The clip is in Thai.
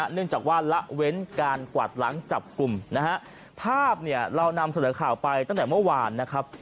เนื่องจากว่าละเว้นการกวาดหลังจับกลุ่มนะฮะภาพเนี่ยเรานำเสนอข่าวไปตั้งแต่เมื่อวานนะครับ